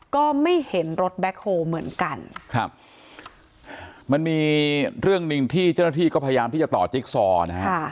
ก็ไม่เห็นรถแบ็คโฮลเหมือนกันครับมันมีเรื่องหนึ่งที่เจ้าหน้าที่ก็พยายามที่จะต่อจิ๊กซอนะฮะ